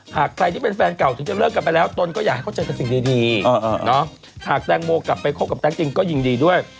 หากใครที่เป็นแฟนเก่าถึงจะเลิกกันไปแล้วตนก็อยากให้เขาเจอกันสิ่งดี